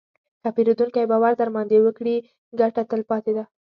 که پیرودونکی باور درباندې وکړي، ګټه تلپاتې ده.